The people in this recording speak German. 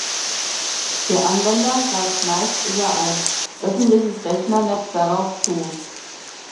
Der Anwender greift meist über ein öffentliches Rechnernetz darauf zu.